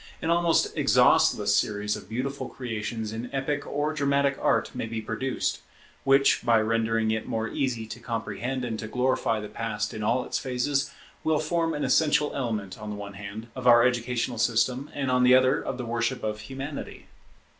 An almost exhaustless series of beautiful creations in epic or dramatic art may be produced, which, by rendering it more easy to comprehend and to glorify the Past in all its phases, will form an essential element, on the one hand, of our educational system, and on the other, of the worship of Humanity.